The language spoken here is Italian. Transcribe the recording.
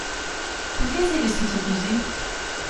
Perché sei vestito così?